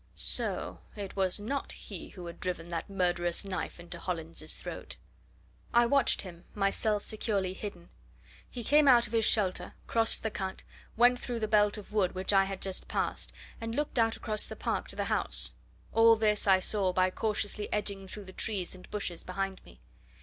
So it was not he who had driven that murderous knife into Hollins's throat! I watched him myself securely hidden. He came out of his shelter, crossed the cut, went through the belt of wood which I had just passed, and looked out across the park to the house all this I saw by cautiously edging through the trees and bushes behind me.